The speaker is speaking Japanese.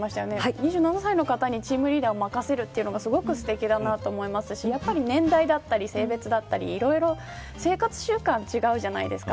２７歳の方にチームリーダーを任せるというのがすごくすてきだなと思いますしやっぱり年齢だったり性別だったり、いろいろ生活習慣が違うじゃないですか。